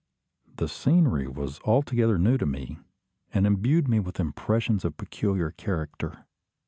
The scenery was altogether new to me, and imbued me with impressions of a peculiar character.